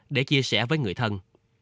để chia sẻ với người thân